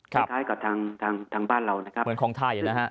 คล้ายกับทางบ้านเราเหมือนคลองไทยรึเปล่า